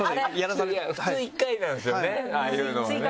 普通１回なんですよねああいうのはね。